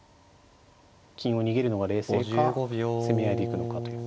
金を逃げるのが冷静か攻め合いでいくのかという。